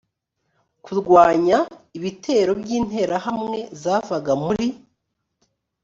kurwanya ibitero by interahamwe zavaga muri